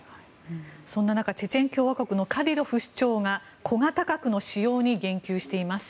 そんな中チェチェン共和国のカディロフ首長が小型核の使用に言及しています。